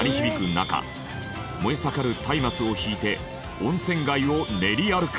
中燃え盛る松明を引いて温泉街を練り歩く。